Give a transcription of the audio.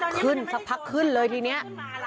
ขึ้นซักพักขึ้นเลยทีเนี้ย